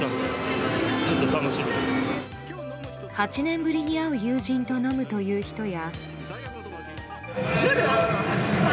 ８年ぶりに会う友人と飲むという人や。